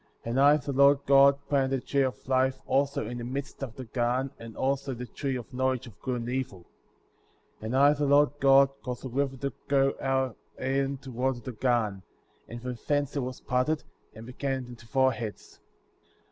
And I, the Lord God, planted the tree of life"* also in the midst of the garden, and also the tree of knowledge of good and evil. 10. And I, the Lord God, caused a river to go out of Eden to water the garden; and from thence it was parted, and became into four heads.